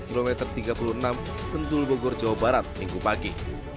kilometer tiga puluh enam sentul bogor jawa barat minggu pagi